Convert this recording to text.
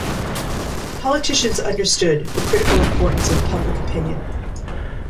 Politicians understood the critical importance of public opinion.